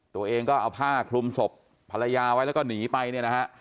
ตัวเองก็เอาผ้าคลุมศพภรรยาไว้แล้วก็หนีไปเนี่ยนะฮะ